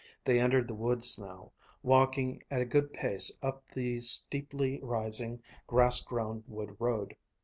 They entered the woods now, walking at a good pace up the steeply rising, grass grown wood road.